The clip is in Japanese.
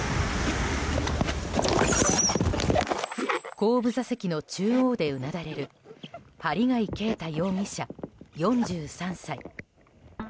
後部座席の中央でうなだれる針谷啓太容疑者、４３歳。